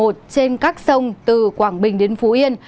trên các sông từ quảng bình đến phú yên